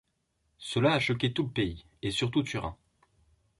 Cela a choqué tout le pays et surtout Turin.